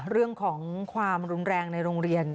เรื่องของความรุนแรงในโรงเรียน